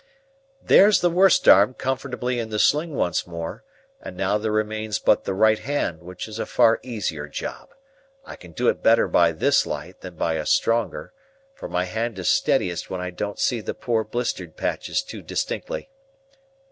—There's the worst arm comfortably in the sling once more, and now there remains but the right hand, which is a far easier job. I can do it better by this light than by a stronger, for my hand is steadiest when I don't see the poor blistered patches too distinctly.